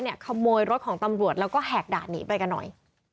ขโมยรถของตำรวจแล้วก็แหกด่านหนีไปกันหน่อย